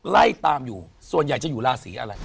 ไล่ตามอยู่ส่วนใหญ่จะอยู่ราศีอะไร